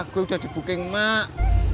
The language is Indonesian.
gue sudah dibuking mak